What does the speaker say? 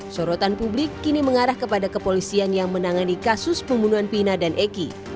sorotan publik kini mengarah kepada kepolisian yang menangani kasus pembunuhan pina dan eki